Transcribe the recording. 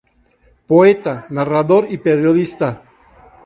Poeta, narrador y periodista.